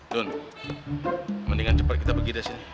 tum mendingan cepet kita pergi dari sini